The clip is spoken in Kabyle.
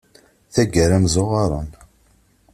Taggara mmzuɣaṛen.